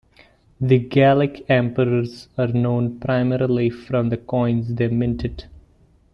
The Gallic Emperors are known primarily from the coins they minted.